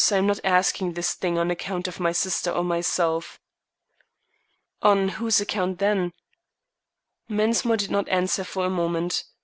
I am not asking this thing on account of my sister or myself." "On whose account, then?" Mensmore did not answer for a moment.